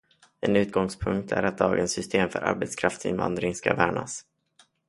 En utgångspunkt är att dagens system för arbetskraftsinvandring ska värnas.